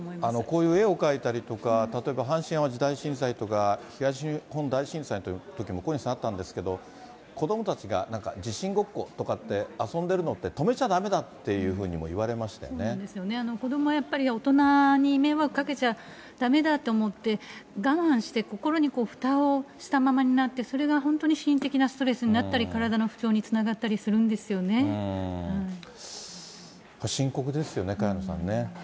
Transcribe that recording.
こういう絵を描いたりとか、例えば阪神・淡路大震災とか、東日本大震災のときも、小西さん、あったんですけど、子どもたちがなんか、地震ごっことかって遊んでるのって止めちゃだめだっていうふうに子どもはやっぱり、大人に迷惑かけちゃだめだって思って、我慢して、心にふたをしたままになって、それが本当に心的なストレスになったり、体の不調につながったり深刻ですよね、萱野さんね。